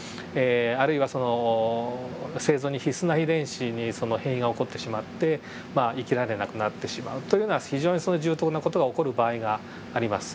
あるいはその生存に必須な遺伝子に変異が起こってしまって生きられなくなってしまうというのは非常に重篤な事が起こる場合があります。